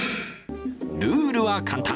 ルールは簡単。